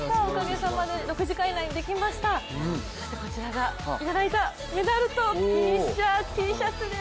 そしてこちらが、いただいたメダルとフィニッシャーＴシャツです。